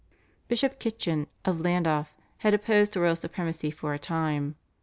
Bishop Kitchin of Llandaff had opposed royal supremacy for a time.